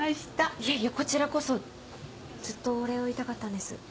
いやいやこちらこそずっとお礼を言いたかったんです。